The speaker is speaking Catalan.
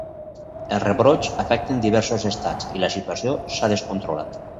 Els rebrots afecten diversos estats i la situació s’ha descontrolat.